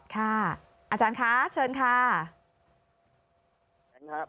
อาจารย์คะเชิญค่ะ